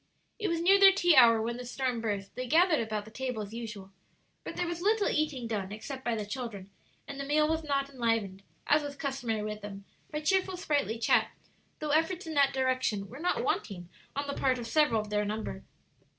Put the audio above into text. It was near their tea hour when the storm burst; they gathered about the table as usual, but there was little eating done except by the children, and the meal was not enlivened, as was customary with them, by cheerful, sprightly chat, though efforts in that direction were not wanting on the part of several of their number.